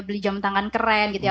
beli jam tangan keren gitu ya